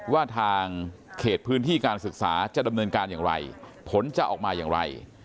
ว่าทางเขตพื้นที่การศึกษาจะดำเนินการอย่างไรผลจะออกมาอย่างไร